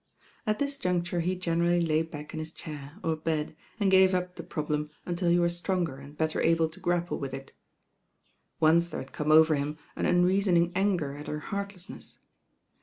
At this juncture he generally lay back in his chair, or bed, and gave up the prob lem untU he were stronger and better able to grapple with It. '^'^ Once there had come over him an unreasoning anger at her heartlessness.